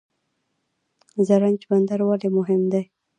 زرنج بندر ولې مهم دی؟